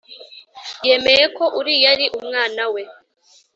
yemeye ko uriya ari umwana we